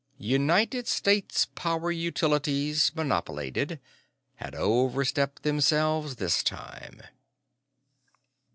United States Power Utilities, Monopolated, had overstepped themselves this time.